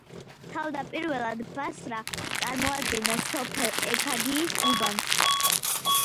თავდაპირველად ბასრა წარმოადგენდა სოფელ ექადიის უბანს.